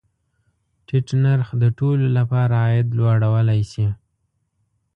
ټیټ نرخ د ټولو له پاره عاید لوړولی شي.